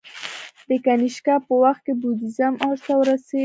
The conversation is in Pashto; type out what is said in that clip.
د کنیشکا په وخت کې بودیزم اوج ته ورسید